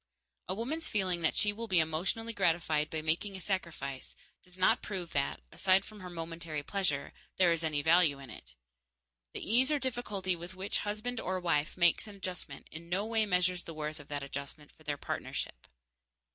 A woman's feeling that she will be emotionally gratified by making a sacrifice does not prove that, aside from her momentary pleasure, there is any value in it. The ease or difficulty with which husband or wife makes an adjustment in no way measures the worth of that adjustment for their partnership.